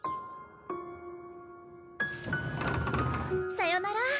さよなら。